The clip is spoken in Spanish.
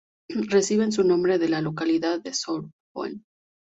Reciben su nombre de la localidad de Solnhofen.